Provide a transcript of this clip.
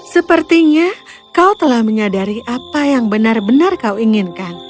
sepertinya kau telah menyadari apa yang benar benar kau inginkan